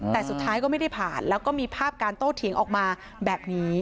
แต่สุดท้ายก็ไม่ได้ผ่านแล้วก็มีภาพการโต้เถียงออกมาแบบนี้